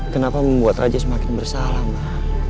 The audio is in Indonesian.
kenapa membuat raja semakin bersalah mbak